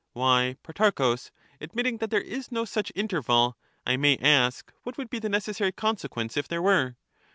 Why, Protarchus, admitting that there is no such in terval, I may ask what would be the necessary consequence if there were